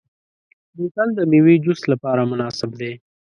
بوتل د میوې جوس لپاره مناسب دی.